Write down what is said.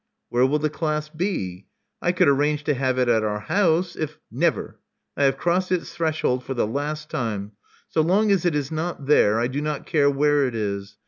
Where will the class be?" I could arrange to have it at our house if "Never. I have crossed its threshold for the last time. So long as it is not there, I do not care where it is.